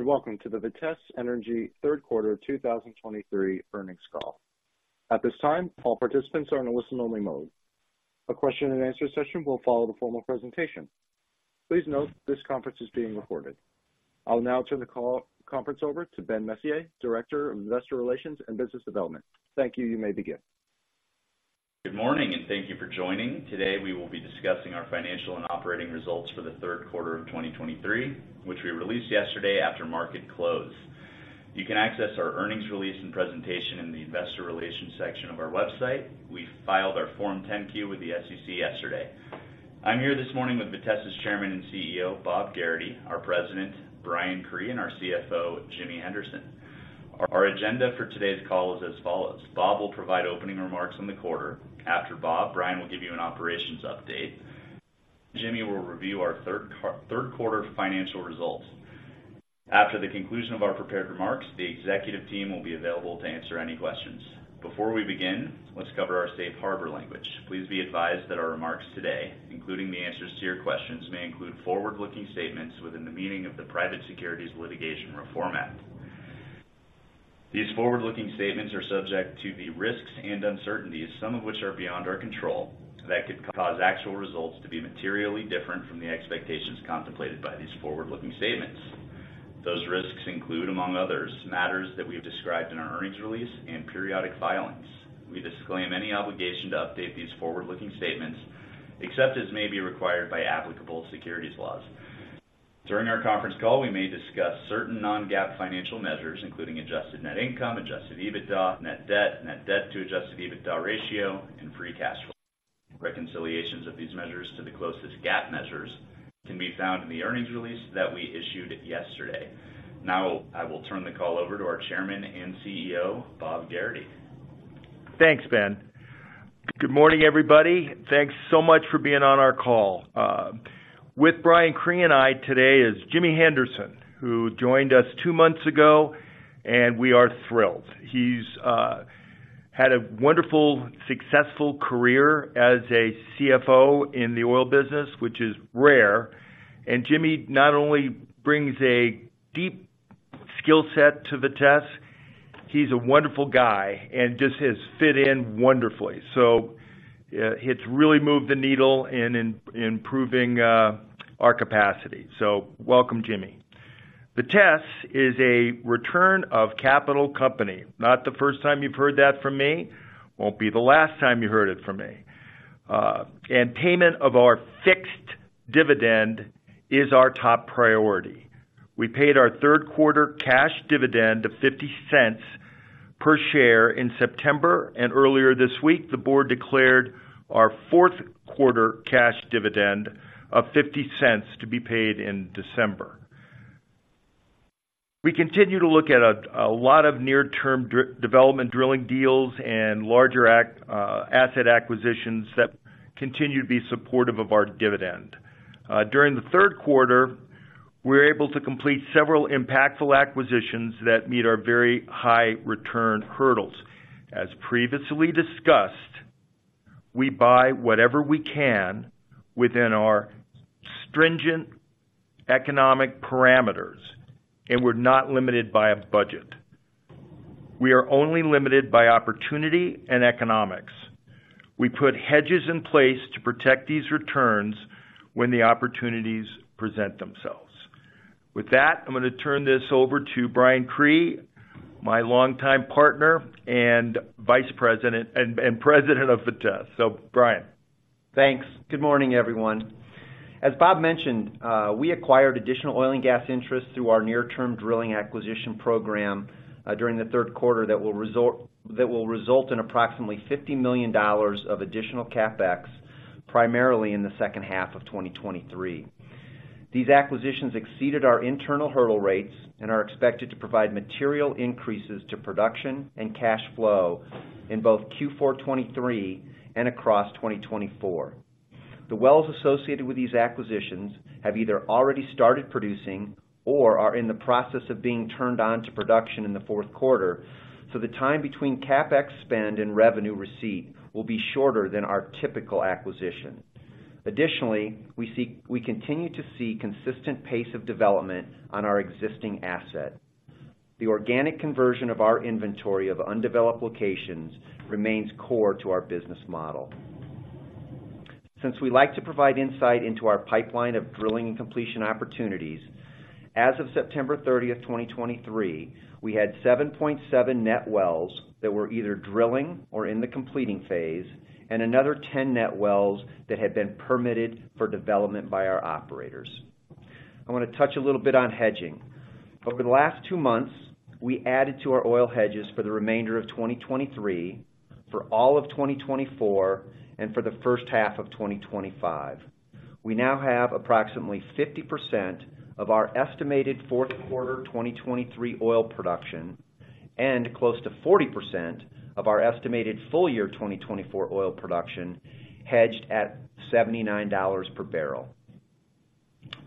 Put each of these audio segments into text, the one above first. Greetings, and welcome to the Vitesse Energy third quarter 2023 earnings call. At this time, all participants are in a listen-only mode. A question and answer session will follow the formal presentation. Please note this conference is being recorded. I'll now turn the conference over to Ben Messier, Director of Investor Relations and Business Development. Thank you. You may begin. Good morning, and thank you for joining. Today, we will be discussing our financial and operating results for the third quarter of 2023, which we released yesterday after market close. You can access our earnings release and presentation in the investor relations section of our website. We filed our Form 10-Q with the SEC yesterday. I'm here this morning with Vitesse's Chairman and CEO, Bob Gerrity, our President, Brian Cree, and our CFO, Jimmy Henderson. Our agenda for today's call is as follows: Bob will provide opening remarks on the quarter. After Bob, Brian will give you an operations update. Jimmy will review our third quarter financial results. After the conclusion of our prepared remarks, the executive team will be available to answer any questions. Before we begin, let's cover our safe harbor language. Please be advised that our remarks today, including the answers to your questions, may include forward-looking statements within the meaning of the Private Securities Litigation Reform Act. These forward-looking statements are subject to the risks and uncertainties, some of which are beyond our control, that could cause actual results to be materially different from the expectations contemplated by these forward-looking statements. Those risks include, among others, matters that we have described in our earnings release and periodic filings. We disclaim any obligation to update these forward-looking statements, except as may be required by applicable securities laws. During our conference call, we may discuss certain non-GAAP financial measures, including Adjusted Net Income, Adjusted EBITDA, Net Debt, Net Debt to Adjusted EBITDA Ratio, and Free Cash Flow. Reconciliations of these measures to the closest GAAP measures can be found in the earnings release that we issued yesterday. Now, I will turn the call over to our Chairman and CEO, Bob Gerrity. Thanks, Ben. Good morning, everybody. Thanks so much for being on our call. With Brian Cree and I today is Jimmy Henderson, who joined us two months ago, and we are thrilled. He's had a wonderful, successful career as a CFO in the oil business, which is rare. And Jimmy not only brings a deep skill set to Vitesse, he's a wonderful guy and just has fit in wonderfully. So it's really moved the needle in improving our capacity. So welcome, Jimmy. Vitesse is a return of capital company. Not the first time you've heard that from me, won't be the last time you heard it from me. And payment of our fixed dividend is our top priority. We paid our third quarter cash dividend of $0.50 per share in September, and earlier this week, the board declared our fourth quarter cash dividend of $0.50 to be paid in December. We continue to look at a lot of near-term development drilling deals and larger asset acquisitions that continue to be supportive of our dividend. During the third quarter, we were able to complete several impactful acquisitions that meet our very high return hurdles. As previously discussed, we buy whatever we can within our stringent economic parameters, and we're not limited by a budget. We are only limited by opportunity and economics. We put hedges in place to protect these returns when the opportunities present themselves. With that, I'm gonna turn this over to Brian Cree, my longtime partner and President of Vitesse. So, Brian. Thanks. Good morning, everyone. As Bob mentioned, we acquired additional oil and gas interests through our near-term drilling acquisition program during the third quarter that will result in approximately $50 million of additional CapEx, primarily in the second half of 2023. These acquisitions exceeded our internal hurdle rates and are expected to provide material increases to production and cash flow in both Q4 2023 and across 2024. The wells associated with these acquisitions have either already started producing or are in the process of being turned on to production in the fourth quarter, so the time between CapEx spend and revenue receipt will be shorter than our typical acquisition. Additionally, we continue to see consistent pace of development on our existing assets. The organic conversion of our inventory of undeveloped locations remains core to our business model. Since we like to provide insight into our pipeline of drilling and completion opportunities, as of September 30th, 2023, we had 7.7 net wells that were either drilling or in the completing phase, and another 10 net wells that had been permitted for development by our operators. I wanna touch a little bit on hedging. Over the last two months, we added to our oil hedges for the remainder of 2023, for all of 2024, and for the first half of 2025. We now have approximately 50% of our estimated fourth quarter 2023 oil production and close to 40% of our estimated full year 2024 oil production, hedged at $79 per barrel.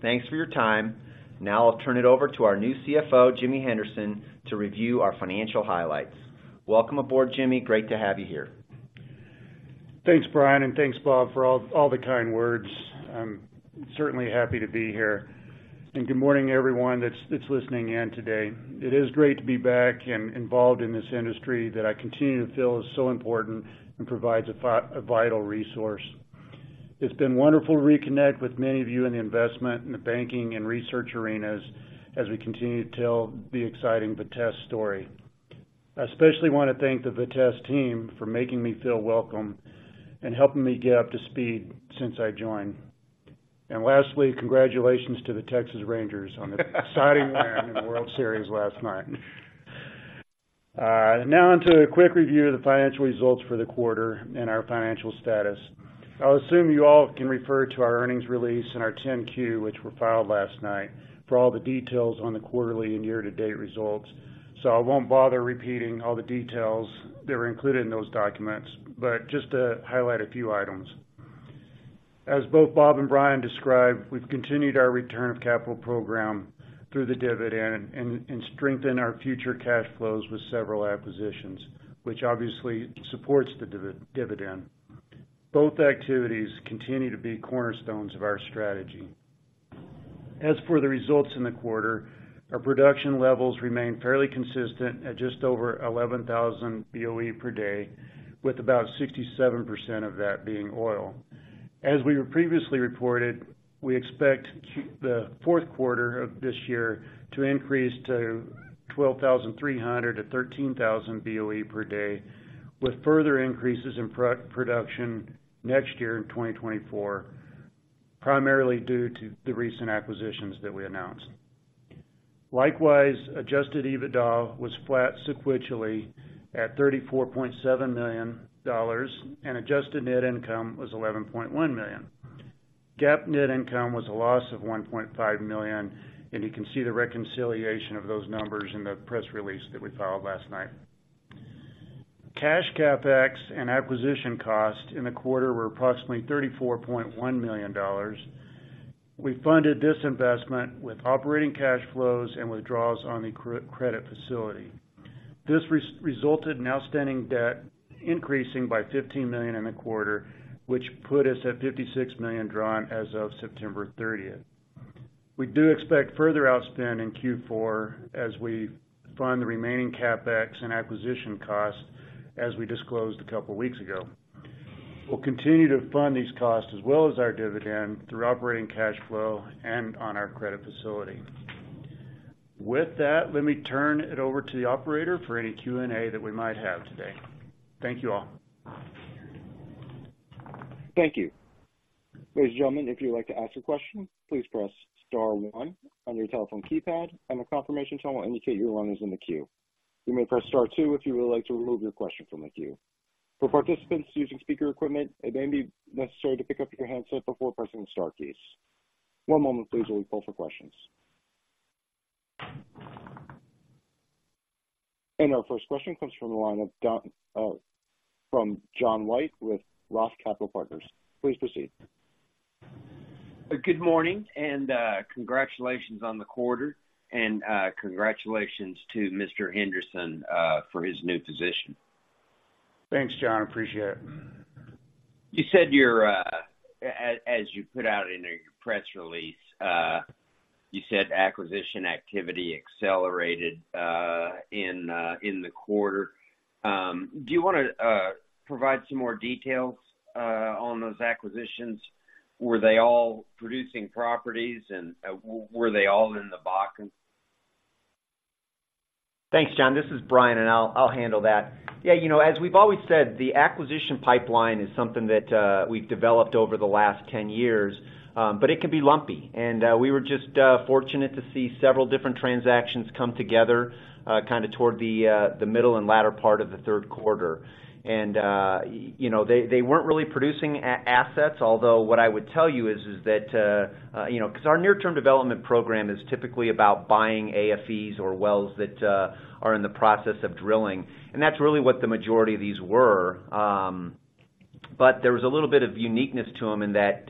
Thanks for your time. Now, I'll turn it over to our new CFO, Jimmy Henderson, to review our financial highlights. Welcome aboard, Jimmy. Great to have you here. Thanks, Brian, and thanks, Bob, for all the kind words. I'm certainly happy to be here, and good morning everyone that's listening in today. It is great to be back and involved in this industry that I continue to feel is so important and provides a vital resource. It's been wonderful to reconnect with many of you in the investment, in the banking, and research arenas as we continue to tell the exciting Vitesse story. I especially want to thank the Vitesse team for making me feel welcome and helping me get up to speed since I joined. And lastly, congratulations to the Texas Rangers on the exciting run in the World Series last night. Now on to a quick review of the financial results for the quarter and our financial status. I'll assume you all can refer to our earnings release and our 10-Q, which were filed last night, for all the details on the quarterly and year-to-date results. So I won't bother repeating all the details that are included in those documents, but just to highlight a few items. As both Bob and Brian described, we've continued our return of capital program through the dividend and strengthened our future cash flows with several acquisitions, which obviously supports the dividend. Both activities continue to be cornerstones of our strategy. As for the results in the quarter, our production levels remain fairly consistent at just over 11,000 BOE per day, with about 67% of that being oil. As we previously reported, we expect the fourth quarter of this year to increase to 12,300-13,000 BOE per day, with further increases in production next year in 2024, primarily due to the recent acquisitions that we announced. Likewise, adjusted EBITDA was flat sequentially at $34.7 million, and adjusted net income was $11.1 million. GAAP net income was a loss of $1.5 million, and you can see the reconciliation of those numbers in the press release that we filed last night. Cash CapEx and acquisition costs in the quarter were approximately $34.1 million. We funded this investment with operating cash flows and withdrawals on the credit facility. This resulted in outstanding debt increasing by $15 million in the quarter, which put us at $56 million drawn as of September 30th. We do expect further outspend in Q4 as we fund the remaining CapEx and acquisition costs, as we disclosed a couple weeks ago. We'll continue to fund these costs as well as our dividend through operating cash flow and on our credit facility. With that, let me turn it over to the operator for any Q&A that we might have today. Thank you all. Thank you. Ladies and gentlemen, if you would like to ask a question, please press star one on your telephone keypad, and a confirmation tone will indicate your line is in the queue. You may press star two if you would like to remove your question from the queue. For participants using speaker equipment, it may be necessary to pick up your handset before pressing the star keys. One moment, please, while we pull for questions. Our first question comes from the line of John White with Roth Capital Partners. Please proceed. Good morning, and congratulations on the quarter. Congratulations to Mr. Henderson for his new position. Thanks, John. I appreciate it. You said, as you put out in a press release, you said acquisition activity accelerated in the quarter. Do you want to provide some more details on those acquisitions? Were they all producing properties, and were they all in the Bakken? Thanks, John. This is Brian, and I'll handle that. Yeah, you know, as we've always said, the acquisition pipeline is something that we've developed over the last 10 years, but it can be lumpy. We were just fortunate to see several different transactions come together kind of toward the middle and latter part of the third quarter. You know, they weren't really producing assets. Although, what I would tell you is that you know, because our near-term development program is typically about buying AFEs or wells that are in the process of drilling, and that's really what the majority of these were. But there was a little bit of uniqueness to them in that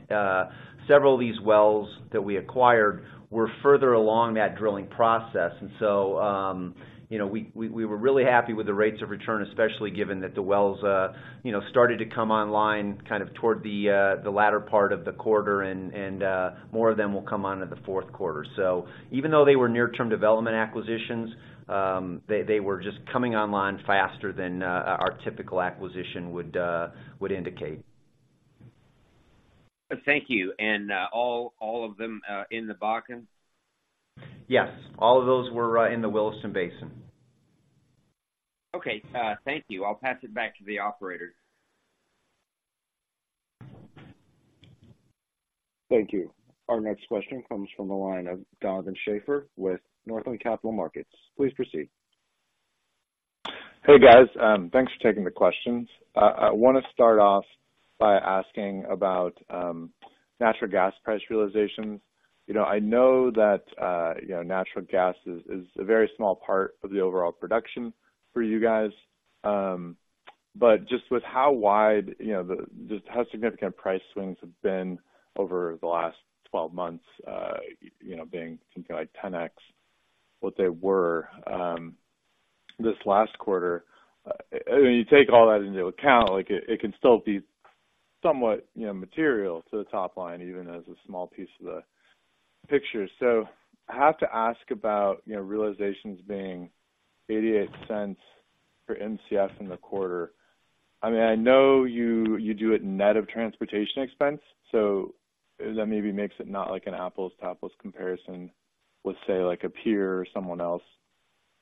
several of these wells that we acquired were further along that drilling process. And so, you know, we were really happy with the rates of return, especially given that the wells, you know, started to come online kind of toward the latter part of the quarter, and more of them will come on in the fourth quarter. So even though they were near-term development acquisitions, they were just coming online faster than our typical acquisition would indicate. Thank you. And all of them in the Bakken? Yes, all of those were in the Williston Basin. Okay, thank you. I'll pass it back to the operator. Thank you. Our next question comes from the line of Donovan Schafer with Northland Capital Markets. Please proceed. Hey, guys. Thanks for taking the questions. I want to start off by asking about natural gas price realizations. You know, I know that you know, natural gas is a very small part of the overall production for you guys. But just with how wide, you know, just how significant price swings have been over the last 12 months, you know, being something like 10x what they were this last quarter, and when you take all that into account, like, it, it can still be somewhat, you know, material to the top line, even as a small piece of the picture. So I have to ask about, you know, realizations being $0.88 for MCF in the quarter. I mean, I know you do it net of transportation expense, so that maybe makes it not like an apples-to-apples comparison with, say, like a peer or someone else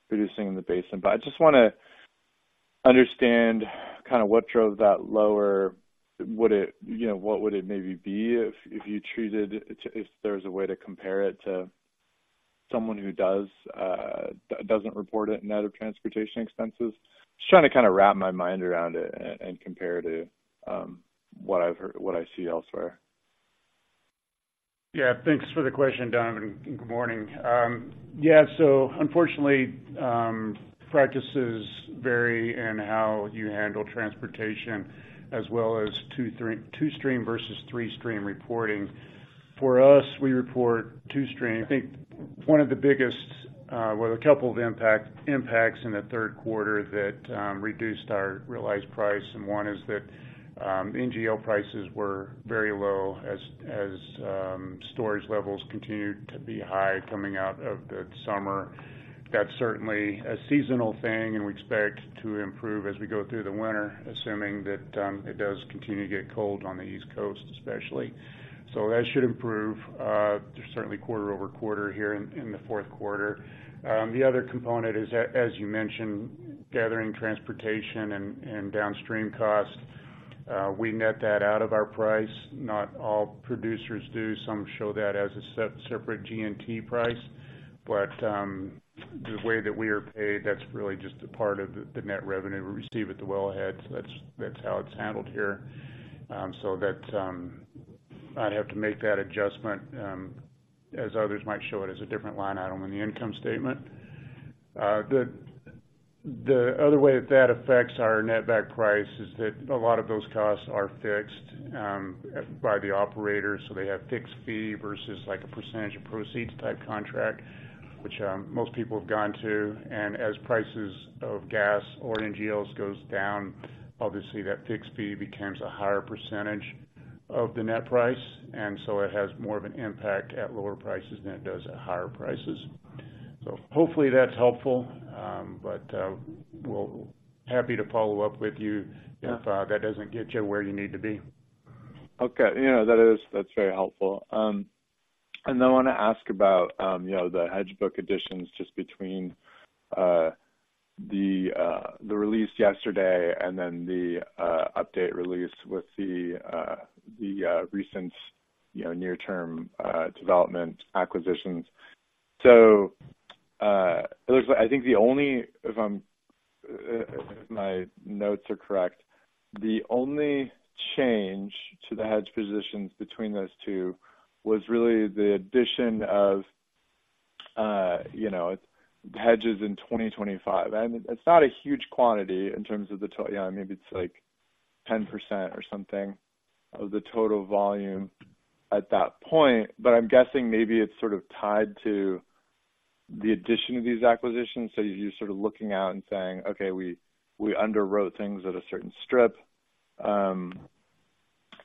producing in the basin. But I just wanna understand kind of what drove that lower. Would it—you know, what would it maybe be if you treated it if there was a way to compare it to someone who doesn't report it net of transportation expenses? Just trying to kinda wrap my mind around it and compare it to what I've heard, what I see elsewhere. Yeah, thanks for the question, Donovan. Good morning. Yeah, so unfortunately, practices vary in how you handle transportation as well as two stream versus three stream reporting. For us, we report two stream. I think one of the biggest, well, a couple of impacts in the third quarter that reduced our realized price, and one is that NGL prices were very low as storage levels continued to be high coming out of the summer. That's certainly a seasonal thing, and we expect to improve as we go through the winter, assuming that it does continue to get cold on the East Coast, especially. So that should improve, just certainly quarter-over-quarter here in the fourth quarter. The other component is as you mentioned, gathering transportation and downstream costs. We net that out of our price. Not all producers do. Some show that as a separate G&T price. But, the way that we are paid, that's really just a part of the net revenue we receive at the wellhead. So that's how it's handled here. So that, I'd have to make that adjustment, as others might show it as a different line item on the income statement. The other way that affects our netback price is that a lot of those costs are fixed by the operator, so they have fixed fee versus like a percentage of proceeds type contract, which most people have gone to. As prices of gas or NGLs goes down, obviously, that fixed fee becomes a higher percentage of the net price, and so it has more of an impact at lower prices than it does at higher prices. So hopefully that's helpful, but happy to follow up with you- Yeah. If, that doesn't get you where you need to be. Okay. Yeah, that is, that's very helpful. And I wanna ask about, you know, the hedge book additions just between the release yesterday and then the update release with the recent, you know, near-term development acquisitions. So, it looks like I think the only—if I'm, if my notes are correct, the only change to the hedge positions between those two was really the addition of, you know, hedges in 2025. And it's not a huge quantity in terms of the total—you know, maybe it's like 10% or something of the total volume at that point, but I'm guessing maybe it's sort of tied to the addition of these acquisitions. So you're sort of looking out and saying: Okay, we, we underwrote things at a certain strip,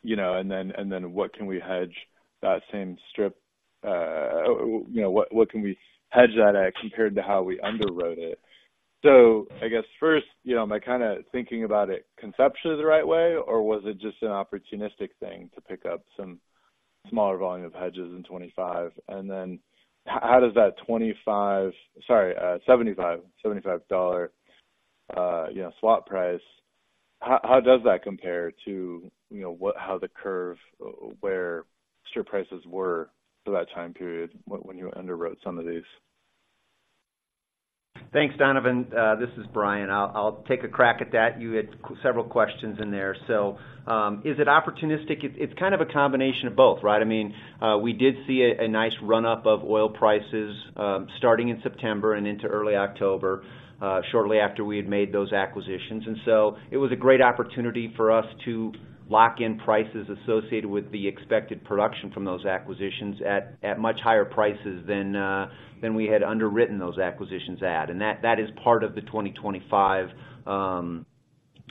you know, and then, and then what can we hedge that same strip, you know, what, what can we hedge that at compared to how we underwrote it? So I guess first, you know, am I kinda thinking about it conceptually the right way, or was it just an opportunistic thing to pick up some smaller volume of hedges in 2025? And then, how does that $75 swap price, how does that compare to, you know, what-- how the curve, where strip prices were for that time period when you underwrote some of these? Thanks, Donovan. This is Brian. I'll take a crack at that. You had several questions in there. So, is it opportunistic? It's kind of a combination of both, right? I mean, we did see a nice run-up of oil prices, starting in September and into early October, shortly after we had made those acquisitions. And so it was a great opportunity for us to lock in prices associated with the expected production from those acquisitions at much higher prices than we had underwritten those acquisitions at. And that is part of the 2025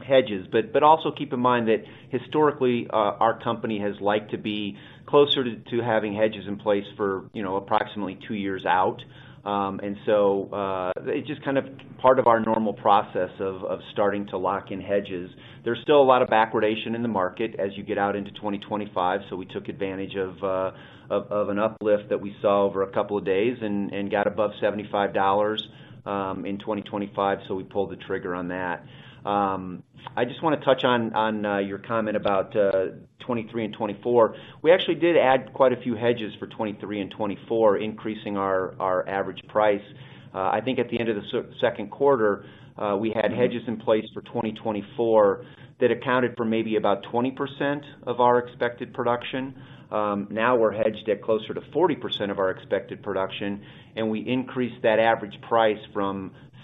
hedges. But also keep in mind that historically, our company has liked to be closer to having hedges in place for, you know, approximately two years out. And so, it's just kind of part of our normal process of starting to lock in hedges. There's still a lot of backwardation in the market as you get out into 2025, so we took advantage of an uplift that we saw over a couple of days and got above $75 in 2025, so we pulled the trigger on that. I just wanna touch on your comment about 2023 and 2024. We actually did add quite a few hedges for 2023 and 2024, increasing our average price. I think at the end of the second quarter, we had hedges in place for 2024 that accounted for maybe about 20% of our expected production. Now we're hedged at closer to 40% of our expected production, and we increased that average price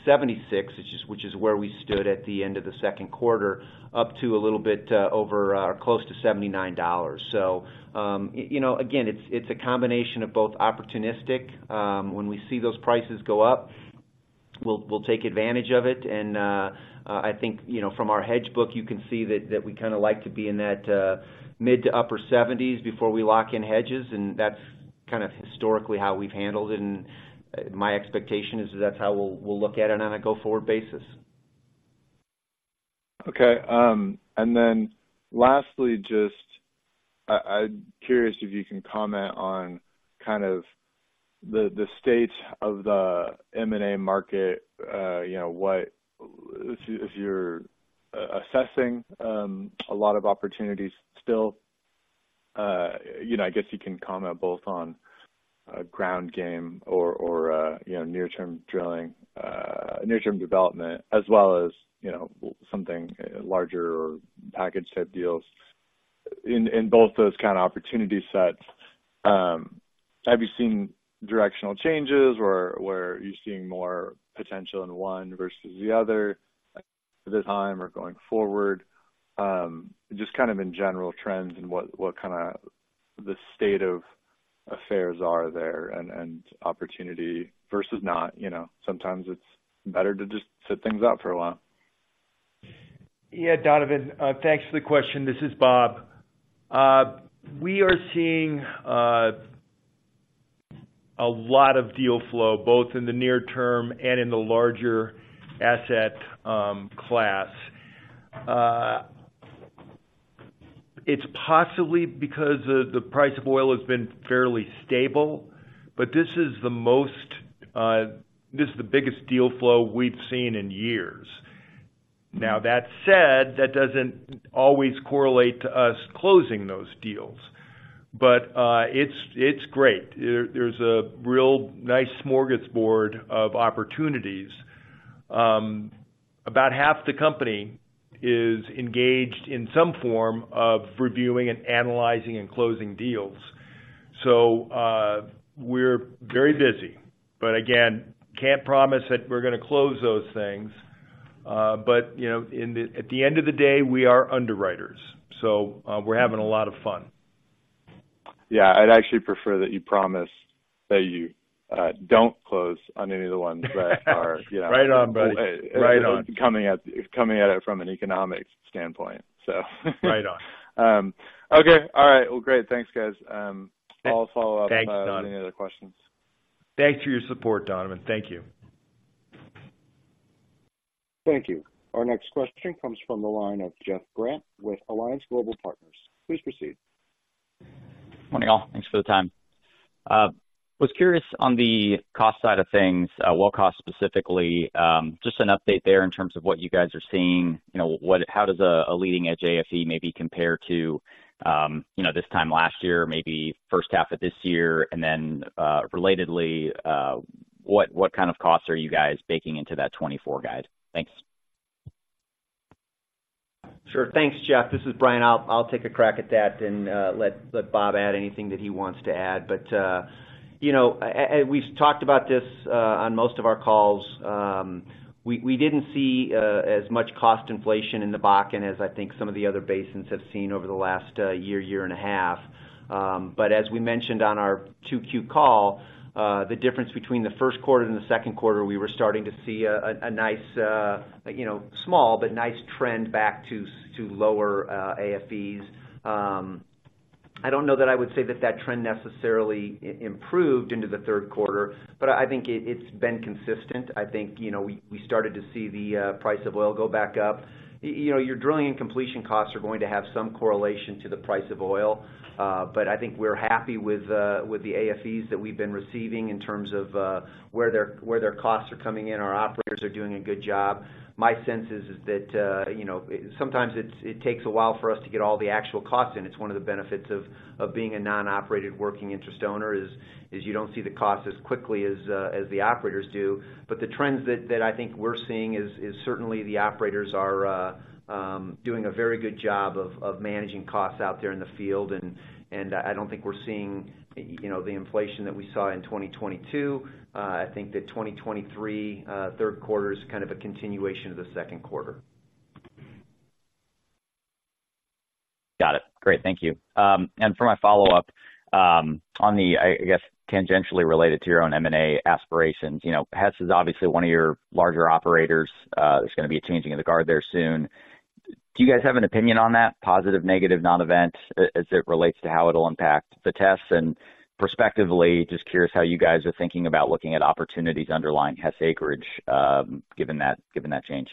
from 76, which is where we stood at the end of the second quarter, up to a little bit over close to $79. So, you know, again, it's a combination of both opportunistic when we see those prices go up, and we'll take advantage of it. And I think, you know, from our hedge book, you can see that we kind of like to be in that mid- to upper 70s before we lock in hedges, and that's kind of historically how we've handled it, and my expectation is that that's how we'll look at it on a go-forward basis. Okay. And then lastly, just, I'm curious if you can comment on kind of the state of the M&A market. You know, what if you, if you're assessing a lot of opportunities still, you know, I guess you can comment both on ground game or you know, near-term drilling, near-term development, as well as, you know, something larger or package-type deals. In both those kind of opportunity sets, have you seen directional changes, or where are you seeing more potential in one versus the other at the time or going forward? Just kind of in general trends and what kinda the state of affairs are there and opportunity versus not, you know, sometimes it's better to just sit things out for a while. Yeah, Donovan, thanks for the question. This is Bob. We are seeing a lot of deal flow, both in the near term and in the larger asset class. It's possibly because the price of oil has been fairly stable, but this is the most, this is the biggest deal flow we've seen in years. Now, that said, that doesn't always correlate to us closing those deals, but it's great. There's a real nice smorgasbord of opportunities. About half the company is engaged in some form of reviewing and analyzing and closing deals, so we're very busy. But again, can't promise that we're gonna close those things. But, you know, in the, at the end of the day, we are underwriters, so we're having a lot of fun. Yeah, I'd actually prefer that you don't close on any of the ones that are, you know- Right on, buddy. Right on. Coming at it from an economics standpoint, so Right on. Okay. All right. Well, great. Thanks, guys. I'll follow up if I have Thanks, Donovan any other questions. Thanks for your support, Donovan. Thank you. Thank you. Our next question comes from the line of Jeff Grampp with Alliance Global Partners. Please proceed. Morning, all. Thanks for the time. Was curious on the cost side of things, well cost specifically, just an update there in terms of what you guys are seeing. You know, how does a, a leading edge AFE maybe compare to, you know, this time last year, maybe first half of this year? And then, relatedly, what kind of costs are you guys baking into that 2024 guide? Thanks. Sure. Thanks, Jeff. This is Brian. I'll take a crack at that and let Bob add anything that he wants to add. But you know, and we've talked about this on most of our calls. We didn't see as much cost inflation in the Bakken as I think some of the other basins have seen over the last year and a half. But as we mentioned on our 2Q call, the difference between the first quarter and the second quarter, we were starting to see a nice, you know, small but nice trend back to lower AFEs. I don't know that I would say that that trend necessarily improved into the third quarter, but I think it's been consistent. I think, you know, we started to see the price of oil go back up. You know, your drilling and completion costs are going to have some correlation to the price of oil. But I think we're happy with the AFEs that we've been receiving in terms of where their costs are coming in. Our operators are doing a good job. My sense is that, you know, sometimes it takes a while for us to get all the actual costs in. It's one of the benefits of being a non-operated working interest owner, is you don't see the costs as quickly as the operators do. But the trends that I think we're seeing is certainly the operators are doing a very good job of managing costs out there in the field, and I don't think we're seeing, you know, the inflation that we saw in 2022. I think that 2023 third quarter is kind of a continuation of the second quarter. Got it. Great, thank you. And for my follow-up, on the, I guess, tangentially related to your own M&A aspirations, you know, Hess is obviously one of your larger operators. There's gonna be a changing of the guard there soon. Do you guys have an opinion on that? Positive, negative, non-event, as it relates to how it'll impact Vitesse? And prospectively, just curious how you guys are thinking about looking at opportunities underlying Hess acreage, given that, given that change.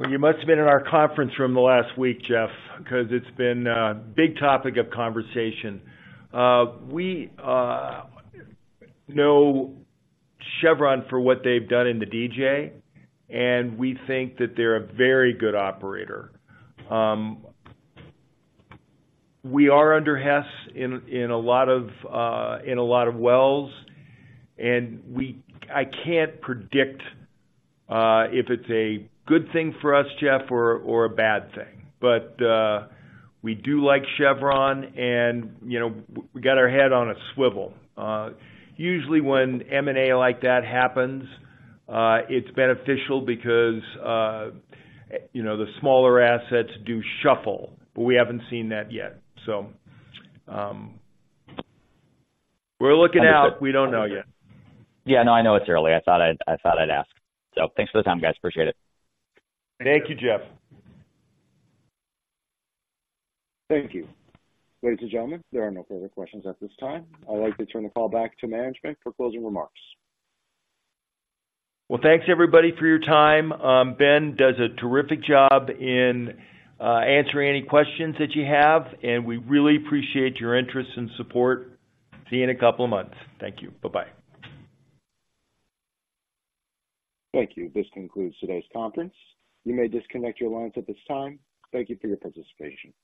Well, you must have been in our conference room the last week, Jeff, because it's been a big topic of conversation. We know Chevron for what they've done in the DJ, and we think that they're a very good operator. We are under Hess in a lot of wells, and we—I can't predict if it's a good thing for us, Jeff, or a bad thing. But we do like Chevron, and, you know, we got our head on a swivel. Usually, when M&A like that happens, it's beneficial because, you know, the smaller assets do shuffle, but we haven't seen that yet. So, we're looking out. We don't know yet. Yeah, no, I know it's early. I thought I'd, I thought I'd ask. So thanks for the time, guys. Appreciate it. Thank you, Jeff. Thank you. Ladies and gentlemen, there are no further questions at this time. I'd like to turn the call back to management for closing remarks. Well, thanks, everybody, for your time. Ben does a terrific job in answering any questions that you have, and we really appreciate your interest and support. See you in a couple of months. Thank you. Bye-bye. Thank you. This concludes today's conference. You may disconnect your lines at this time. Thank you for your participation.